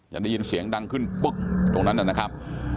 จะได้ยินเสียงดังขึ้นปึ๊กตรงนั้นนะครับ